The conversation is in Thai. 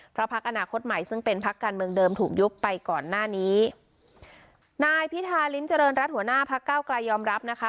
เพราะพักอนาคตใหม่ซึ่งเป็นพักการเมืองเดิมถูกยุบไปก่อนหน้านี้นายพิธาริมเจริญรัฐหัวหน้าพักเก้าไกลยอมรับนะคะ